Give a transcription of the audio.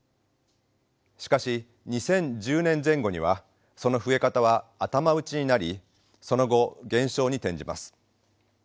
しかし２０１０年前後にはその増え方は頭打ちになりその後減少に転じます。